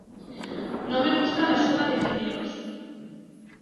No me gusta la sopa de fideos.